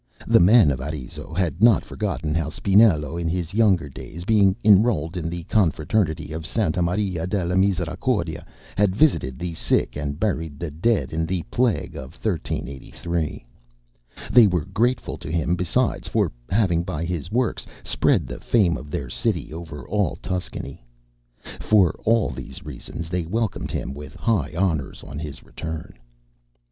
The men of Arezzo had not forgotten how Spinello, in his younger days, being enrolled in the Confraternity of Santa Maria della Misericordia, had visited the sick and buried the dead in the plague of 1383. They were grateful to him besides for having by his works spread the fame of their city over all Tuscany. For all these reasons they welcomed him with high honours on his return.